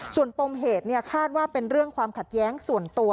ส่วนปมเหตุคาดว่าเป็นเรื่องความขัดแย้งส่วนตัว